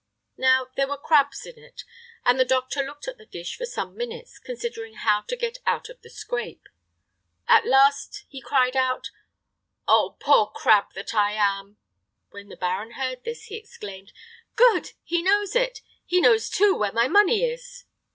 Now, there were crabs in it, and the doctor looked at the dish for some minutes, considering how to get out of the scrape. At last he cried out: "Oh, poor Crabb that I am!" When the baron heard this, he exclaimed: "Good! he knows it! he knows, too, where my money is!"